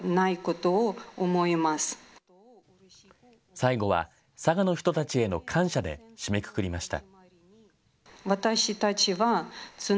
最後は佐賀の人たちへの感謝で締めくくりました。